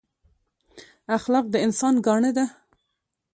اخلاق د انسان ګاڼه ده